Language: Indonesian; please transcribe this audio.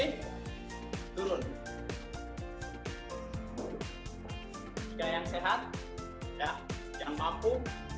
jika yang sehat jangan papu